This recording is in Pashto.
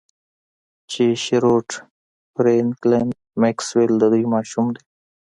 چې شیروډ فرینکلین میکسویل د دوی ماشوم دی